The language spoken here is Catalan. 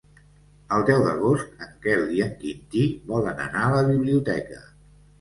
El deu d'agost en Quel i en Quintí volen anar a la biblioteca.